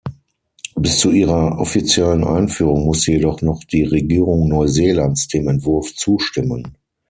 Bis zu ihrer offiziellen Einführung musste jedoch noch die Regierung Neuseelands dem Entwurf zustimmen.